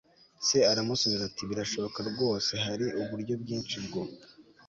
se aramusubiza ati birashoboka rwose! hari uburyo bwinshi bwo